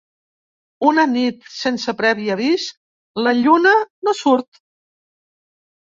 Una nit, sense previ avís, la lluna no surt.